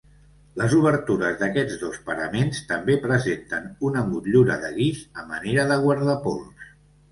Les obertures d'aquests dos paraments també presenten una motllura de guix a manera de guardapols.